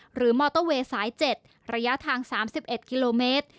มอเตอร์เวย์สาย๗ระยะทาง๓๑กิโลเมตร